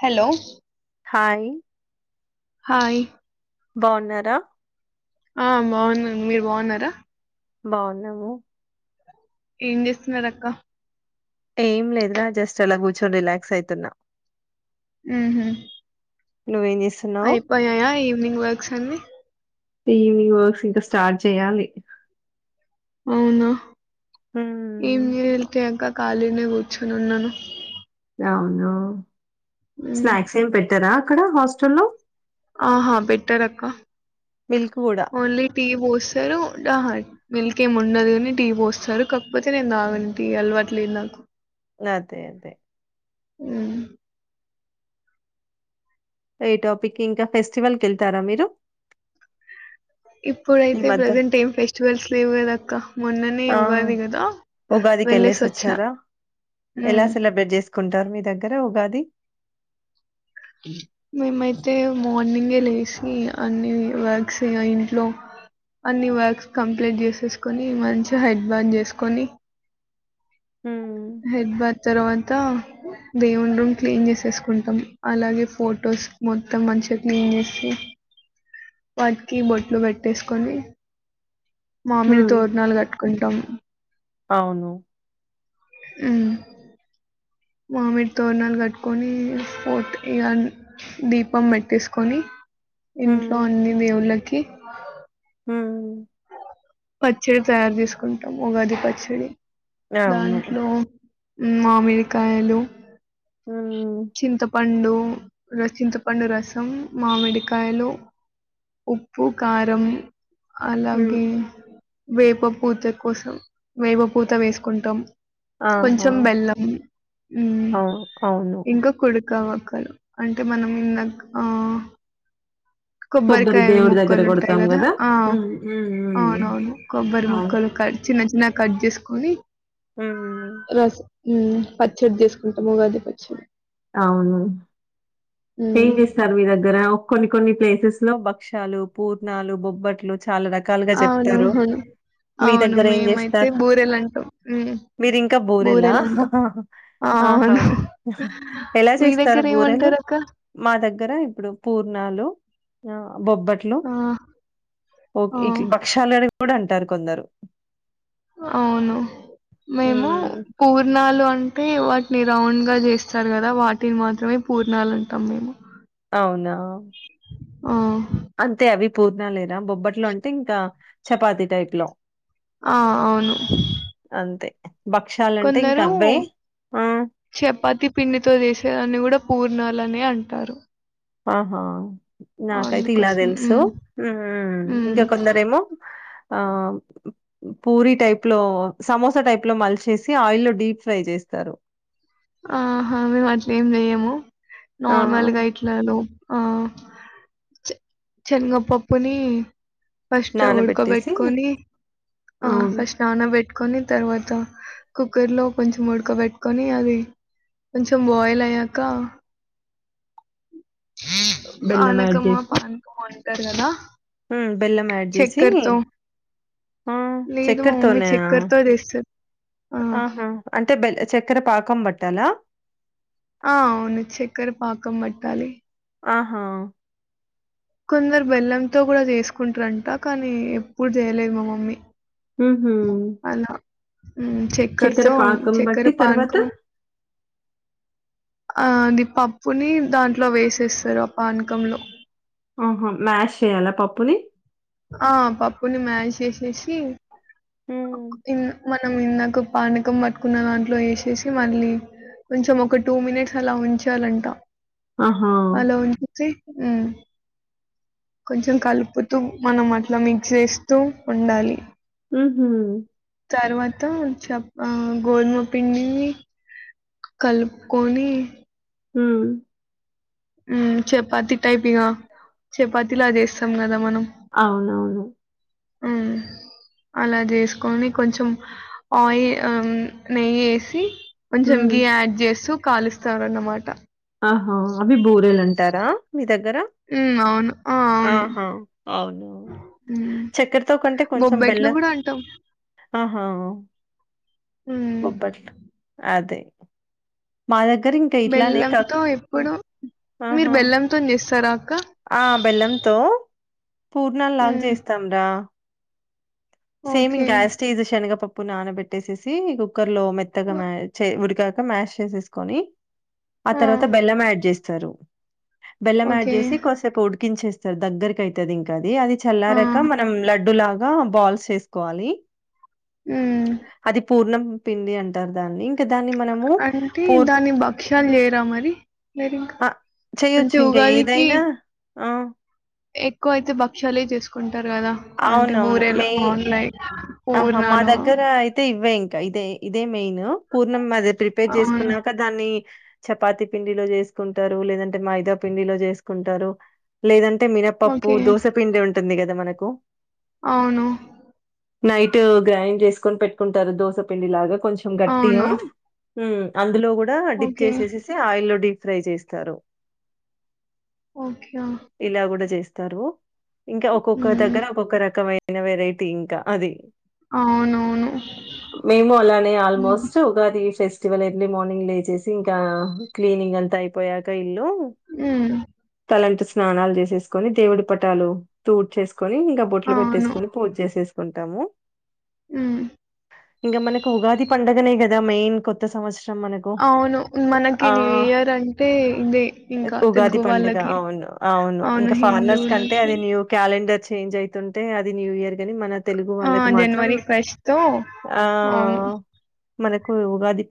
Hello hi hi బాగున్నారా ఆ బాగున్నా మీరు బాగున్నారా బాగున్నాము ఏం చేస్తున్నారు అక్క ఏం లేదరా జస్ట్ అలా కూర్చొని రిలాక్స్ అయితున్నా ఉహు నువ్వేం చెస్ అయిపోయాయా ఈవినింగ్ వర్క్స్ అన్ని ఈవినింగ్ వర్క్స్ ఇంకా స్టార్ట్ చేయాలి అవునా ఏం హ్మ్. లేదా అక్క ఖాళీగనే కూర్చొని ఉన్నాను అవున మ్. స్నాక్స్ ఏం పెట్టారా అక్కడ హాస్టల్లో ఆహా పేటరు అక్క మిల్క్ గూడా. ఓన్లీ టీ పోస్తారు మిల్క్ ఏమి ఉండదు కాని టీ పోస్తారు కాకపోతే నేను తగను టీ అలవట్లేదు నాకు అదే అదే ఆ ఏ టాపిక్ ఇంకా ఫెస్టివల్క వెళ్తారా మీరు ఈ ఇప్పుడైతే మధ్య ప్రెజెంట్ ఏం ఫెస్టివల్స్ లేవు కదా అక్క మొన్ననే ఉగాది కదా ఉగాదికి వెళ్ళేసి వచ్చారా ఎలా మ్. సెలబ్రేట్ చేసుకుంటారు మీ దగ్గర ఉగాది మేమైతే మాన్ ఇంగే లేసి అన్ని వర్క్స్ అయ్యా ఇంట్లో అన్ని వర్క్స్ కంప్లీట్ చేసేసుకొని మంచిగా హెడ్ బాత్ చేసేసుకొని హ్మ్. హెడ్ బాత్ తరవాత దేవుడి రూమ్ క్లీన్ చేసేసుకుంటాం అలాగే ఫొటోస్ మొత్తం మంచిగా క్లీన్ చేసి వాటికి బొట్లు పెట్టేసుకొని మామిడి హ్మ్. తోరణాలు కట్టుకుంటాం అవును హుమ్ మామిడి తోరణాలు కట్టుకొని పోట్ ఇ దీపం పెట్టేసుకొని ఇంట్లో హ్మ్. అన్ని దేవుళ్ళకి హుమ్ పచ్చడి తయారు చేసుకుంటాం ఉగాది పచ్చడి అవును. దాంట్లో మామిడికాయలు హ్మ్. చింతపండు ర చింతపండు రసం మామిడికాయలు ఉప్పు కారం హ్మ్ అలాగే వేప పూత కోసం వేప పూత వేసుకుంటాం ఆహా! కొంచం బెల్లం మ్మ్ అవును. అవును. ఇంకా కుడుకావక్కలు అంటే మనం లైక్ ఆ కొబ్బరి కొబ్బరికాయ దేవుడి దగ్గర ముక్కలు ఉంటాయి కొడతాం కదా గదా! ఆ హ్మ్. హ్మ్. హ్మ్. అవునవును కొబ్బరి అవును. ముక్కలు కట్ చిన్న చిన్న నా కట్ చేసుకొని రసం హుమ్ పచ్చడి చేసుకుంటాం ఉగాది పచ్చడి అవును ఏం మ్మ్. చేస్తారు మీ దగ్గర కొన్ని కొన్ని ప్లేసెస్ లో భక్షాలు పూర్ణాలు బొబ్బట్లు చాలా రకాలుగా చెప్తారు అవునవును. మీ అవును దగ్గర ఏం మేమైతే చేస్తారు బూరెలంటాం. హ్మ్. మీరి ఇంకా బోరెలా బూరెలంటాం. ఆ! ఆహా అవును. ఎలా మీ చేస్తారు బూరెలు దగ్గరేమంటారక్క? మా దగ్గర దగ్గర ఇప్పుడు పూర్ణాలు ఆ బొబ్బట్లు ఆ! ఓ ఆ! ఇట్ భక్షాలని కూడా అంటారు కొందరు అవును మేము హ్మ్. పూర్ణాలు అంటే వాటి ని రౌండ్ గా చేస్తారు కదా వాటిని మాత్రమే పూర్ణాలు ఉంటాం మేము అవునా ఆ అంతే అవి పూర్ణ లేరా బొబ్బట్లో అంటే ఇంకా చపాతి టైప్ లో ఆ అవును అంతే. భక్షాలంటే ఇంక కొందరు అవ్వే. ఆ! చపాతి పిండితో చేసేదన్ని కూడా పూర్ణాలనే అంటారు ఆహా నాకైతే ఇలా అందుకోసం. తెలుసు హ్మ్. హ్మ్. ఇంకా కొందరేమో ఆ పూరి టైప్ లో సమోసా టైప్ లో మలిచేసి ఆయిల్ లో డీప్ ఫ్రై చేస్తారు ఆహా మేము అట్లేం చెయము ఆ! నార్మల్గా ఇట్లా ఆ చెనగపప్పుని ఫస్ట్ నానబెట్టేసి ఉడ్కబెట్టుకని ఆ అవును. ఫస్ట్ నానబెట్టు పెట్టుకొని తర్వాత కుక్కర్ లో కొంచెం ఉడకబెట్టుకొని అది కొంచెం బాయిల్ అయ్యాక బెల్లం యాడ్ ఆనకమో చేసి పానకమో అంటారు కదా బెల్లం యాడ్ చేసి ఆ లేదు మా మమ్మీ చక్కెర్తోనే చక్కెరతో జేస్తది. ఆ! ఆహా అంటే బెల్లం చక్కర పాకం పట్టాలా ఆ అవును చక్కర పాకం పట్టాలి ఆహా కొందరు బెల్లంతో కూడా చేసుకుంటారంట కానీ ఎప్పుడు చేయలేదు మా మమ్మీ హ హ అలా. చక్కెరతో చక్కర బట్టి తర్వాత పానకం ఆ ఆది పప్పుని దాంట్లో వేసేస్తాది ఆ పానకంలో ఆహో మ్యాష్ చేయాలా పప్పుని ఆ పప్పుని మ్యాష్ చేసేసి హ్మ్. ఇ మనం ఇందక పానకం పట్టుకున్న దాంట్లో వేసేసి మళ్ళీ కొంచెం ఒక టూ మినిట్స్ అలా ఉంచాలంటా ఆహా! పాకంలో ఉంచి మ్మ్ కొంచెం కలుపుతూ మనం అట్లా మిక్స్ చేేస్తూ ఉండాలి ఉ ఉమ్మ్ తర్వాత చెప్ప ఆ గోధుమ పిండిని కలుపుకొని ఉ చపాతి టైప్ ఇగ చపాతి లా చేస్తాం కదా అవునవును ఉ అలా చేసుకని కొంచెం ఆయి నెయ్యి వేసి కొంచెం హ్మ్. గి యాడ్ చేస్తూ కాలుస్తారున్నమాట ఆహా అవి బూరేలు అంటారా మీ దగ్గర ఉ అవును ఆ అవును ఆహా! అవును. ఉ చక్కెరతో కంటే కొంచెం బొబ్బెట్లు బెల్లం కూడా అంటాం ఆహా హ్మ్. బొబ్బట్ అదే మా దగ్గర ఇంకా ఇట్లానే కక్ బెల్లంతో ఎప్పుడు మీరు ఆహా బెల్లంతోని జేస్తారా అక్క? ఆ బెల్లంతో పూర్ణాలు లాగా హ్మ్. చేస్తాం రా సేమ్ ఓకే. ఇంకా యాజస్టిజ్ శనగపప్పు నానబెట్టేసేసి కుక్కర్ లో మెత్తగా మ్య చి ఉడికాక మ్యాష్ చేసేసుకొని ఆ తర్వాత బెల్లం యాడ్ చేస్తారు బెల్లం యాడ్ ఓకే. చేసి కొద్దిసేపు ఉడికించేస్తా దగ్గక అయితది ఇంకా అది అది ఆ! చల్లారక మనం లడ్డు లా ల బాల్స్ చేసుకోవాలి హ్మ్. అది పూర్ణం పిండి అంటారు దాన్ని దాన్ని మనము అంటే పూ దాన్ని భక్ష్యాలు జేయరా మరి మీరింకా? ఆ చేయ్యొచ్చు అంటే ఇంకా ఉగాదికి ఏదైనా ఆ ఎక్కువ అయితే భక్ష్యాలే చేసుకుంటారు కదా అంటే అవునవును. బూరేలు మెయి అన్ లైక్ ఆహా మా పూర్ణాలు దగ్గర అయితే ఇవే ఇంకా ఇదే ఇదే మెయిన్ న్ పూర్ణం అది ప్రిపేర్ అవును చేసుకున్నాక దాన్ని చపాతి పిండిలో చేసుకుంటారు లేదంటే మైదా పిండిలో చేసుకుంటారు లేదంటే అంటే మినపప్పు ఓకే దోసపిండి ఉంటుంది కదా మనకు అవును నైట్ గ్రైండ్ చేసుకొని పెట్టుకుంటారు దోసపిిండి లాగా కొంచెం గట్టిగా అవును ఉ అందులో కూడా డిప్ ఓకే చేసేసేసి ఆయిల్ డిప్ ఫ్రై చేస్తారు ఓకే ఇలా కూడా చేస్తారు ఇంకా ఒక్కొక్క హ్మ్. దగ్గర ఒక్కొక్క రకమైన ఇంగ వెరైటీ ఇంకా అది అవునవును మేము అలానే హ్మ్. Almost Ugadi festival early morning లేచేసి ఇంకా క్లీనింగ్ అంతా అయిపోయాక లో హ్మ్. తలంటి స్నానాలు చేసేసుకొని దేవుడి పటాలు తూడ్చేసు కొని ఇంకా బొట్లు అవును పెట్టేసుకోని పూజ చేసేసుకుంటాము హ్మ్. ఇంగా మనకు ఉగాది పండుగనే కదా మెయిన్ కొత్త సంవత్స రం మనకు అవును మనకి ఆ న్యూ ఇయర్ అంటే ఇదే ఇంకా ఉగాది తెలుగు పండుగ వాళ్ళకి అవును అవును ఇంకా ఫార్నర్స్ కంటే అది న్యూ క్యాలెండర్ చేంజ్ అయాతుంటే అది న్యూ ఇయర్ గాని మన తెలుగు ఆ! వాళ్ళకు మాత్రం జనవరి ఫస్ట్‌తో ఆ అవును. మనకు ఉగాది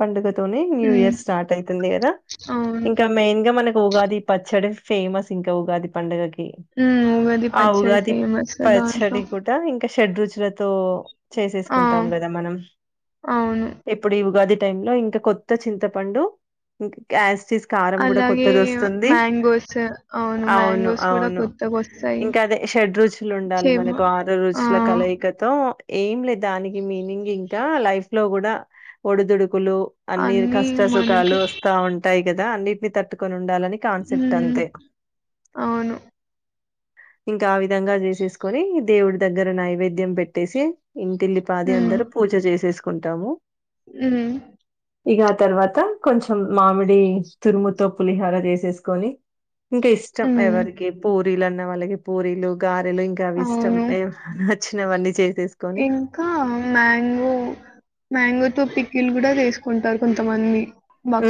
పండుగ తోనీ న్యూ హ్మ్. ఇయర్ స్టార్ట్ అయాతుంది కదా అవును. ఇంకా మెయిన్ గా మనకు ఉగాది పచ్చడి ఫేమస్ ఇంకా ఉగాది పండుగకి హ్మ్. ఉగాది ఆ పచ్చడి ఉగాది ఫేమస్ దాంట్లో. పచ్చడి కూడా ఇంకా షడ్రుచులతో ఆ! చేసేసుకుంటాం కదా మనం అవును. ఎప్పుడు ఈ ఉగాది టైమ్ లో ఇంక కొత్త చింతపండు ఇం య్యాటిజ్ కారం కూడా అలాగే కొత్తది వస్తుంది మ్యాంగోస్ అవును మ్యాంగోస్ కూడా అవును కొత్తగొస్తాయి. ఇంకా అదే షడ్ రోజులు ఉండాలి చేమ మనకు ఆరు ఆ! రుచుల కలయిక తో ఏం లేదు దానికి మీనింగ్ ఇంకా లైఫ్ లో కూడా ఒడిదుడుకులు అన్ని అన్నీ కష్ట మనకి సుఖాలు వస్తా ఉంటాయి కదా అన్నిటిని తట్టుకొని ఉండాలని కాన్సెప్ట్ హ్మ్. అంతే అవును. ఇంకా ఆ విధంగా చేసేసుకొని దేవుడి దగ్గర నైవేద్యం పెట్టేసి ఇంటిల్లిపాది అందరూ పూజ చేసేసుకుంటాము అ ఇక తర్వాత కొంచెం మామిడి తురుముతో పులిహర చేసేసుకొని ఇంకా ఇష్టం హ్మ్. ఎవరికి పూరీలు అన్న వాళ్ళకి పూరీలు గారెలు ఇంకా అవి ఇష్టం ఏమన్నా నచ్చినవన్నీ చేసేసుకొని ఇ మ్యాంగో మ్యా పిక్కిలు కూడా వేసుకుంటారు కొంతమంది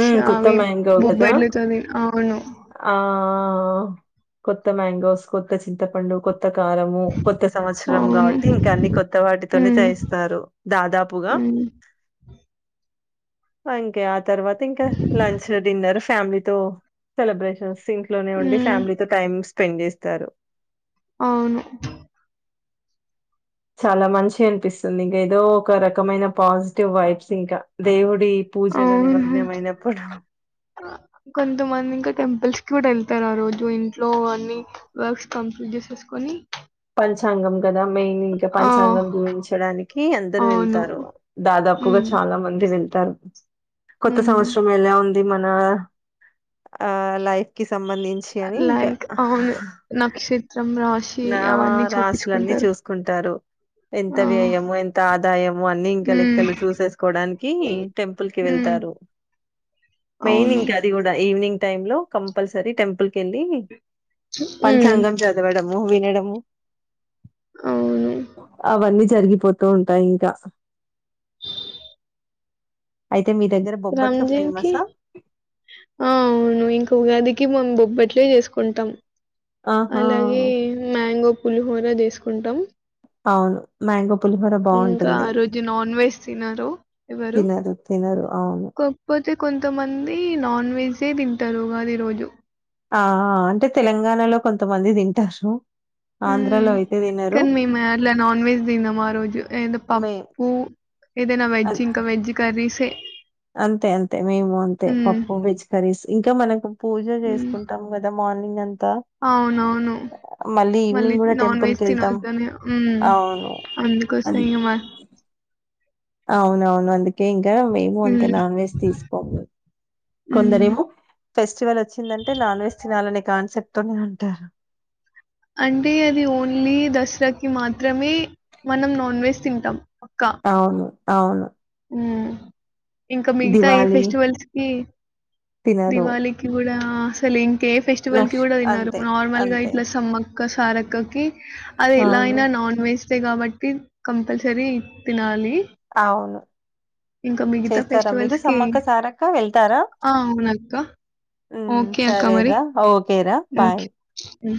ఉమ్, కొత్త అవి మ్యాంగో బుక్ కదా బదిలుతుంది అవును ఆ కొత్త మ్యాంగోస్ కొత్త చింతపండు కొత్త కొత్త కారము కొత్త సంవత్సరం అవును. కాబట్టి ఇంకా అన్ని కొత్త వాటితోనే చేయిస్తారు దాదాపుగా అ ఆ అంకే ఆ తర్వాత ఇంకా లంచ్ డిన్నర్ ఫ్యామిలీతో సెలబ్రేషన్స్ ఇంట్లోనే ఉండి హ్మ్. ఫ్యామిలీతో టైమ్ స్పెండ్ చేస్తారు అవును చాలా మంచిగా అనిపిస్తుంది ఇంకా ఏదో ఒక రకమైన పాజిటివ్ వైబ్స్ ఇంకా దేవుడు అవును కొంతమంది ఇంకా టెంపుల్స్ కి కూడా వెళ్తు చెతారు ఆ రోజు ఇంట్లో అన్ని వర్క్స్ కంప్లూట్ జేసేసుకొని పంచాంగం కదా మెయిన్ ఇంకా ఆ పంచాంగం జీవించడానికి అందరు అవును వెళ్తారు దాదాపుగా ఉమ్ చాలా మంది వెళ్తారు కొత్త ఉమ్ సంవత్సరం ఎలా ఉంది మన ఆ లైఫ్ కి సంబంధించి అని ఇంకా లైక్ అవును నక్షత్రం రాశి నా అవన్నీ రాసులన్నీ చూపించుకుంటారు చూసుకుంటారు ఎంత ఆ వ్యయము ఎంత ఆదాయము అన్ని ఇంకా ఉమ్ లెక్కలు చూసేసుకోవడానికి టెంపుల్ కి ఉమ్ వెళ్తారు మెయిని అవును ఇంకా అది కూడాడయి ఈవినింగ్ టైమ్ లో కంపల్సరీ టెంపుల్ కి వెళ్ళి ఉమ్ పంచాంగం చదవడం వినడాము అవును అవన్న జరిగిపోతూ ఉంటాయి ఇంకా అయితే మీ దగ్గర బొబ్బట్లు రామ్జీవకి ఫేమసా? ఆ అవును ఇంక ఉగాది ముందు బొబ్బట్లు చేసుకుంటాం ఆహా అలాగ మంగో పులిహోర చెసుకుంటాం అవును మ్యాంగో పులిహోర ఇంకా ఆ బావుంటుంది. రోజు నాన్ వెజ్ తినరు ఎవరు తినరు తినరు అవును. కాకపోతే తే కొంతమంది నాన్ వెజే తింటారు అదే ఈ రోజు ఆ అంటే తెలంగాణలో కొంతమంది తింటారు ఆంధ్రలో అయితే తినరు. కాని మేమ ఇలా నాన్ వెెజ్ తినము రోజు ఏ మే పప్పుూ ఏదైనా అన్ వెజ్ ఇంకా వెజ్ కర్రీసే అంతే అంతే మేము అంతే హ్మ్. పప్పు వెజ్ కర్రీస్ ఇంకా మనకు పూజ హ్మ్. చేసుకుంటాం కదా మార్నింగ్ అంతా అవునవును మళ్ళీ ఈవినింగ్ కూడా నాన్ టెంపుల్ వెజ్ కి వెళ్తాం తినద్దనే ఉ అందుకోస ఏమా ఆ అవునవును అండి ఇంకా మేము అంతే హ్మ్. నాన్ వెజ్ తీసుకోము హ్మ్. కొందరేమో ఫెస్టివల్ వచ్చిందంటే నాన్ వెజ్ తినాలనే కాన్సెప్ట్ తో ఉంటారు అంటే అది ఓన్లీ దసరాకి మాత్రమే మనం నాన్ వెజ్ తింటాం పక్కా. అవును అవును ఇంకా మిగతా ఏ దివాళి ఫెస్టివల్స్ కి తినరు దివాళీకి కూడా అసలు ఇంకే ఫెస్టివల్ కి లక్ష్ కూడా తిన్నారు అంతే నార్మల్ గా అంతే ఇట్లా సమ్మక్క సారక్కకి అది ఎలా అవును అయినా నాన్ వెజ్ తే కాబట్టి కంపల్సరీ తినాలి ఔను ఇంకా మిగతా చేస్తరా మీరు ఫెస్టివల్స్‌కి సమ్మక్క సారక్క వెళ్తార ఆ! అవునక్క. ఉమ్ ఓకే అక్క మరి. సరేరా ఓకేరా బాయ్ ఓకే. హ్మ్.